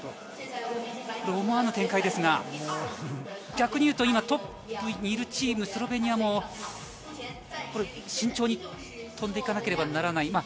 思わぬ展開ですが、逆に言うと今、トップにいるチーム、スロベニアも慎重に飛んでいかなければならない。